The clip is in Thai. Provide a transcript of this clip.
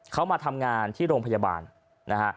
เขามาทำงานที่โรงพยาบาลนะฮะ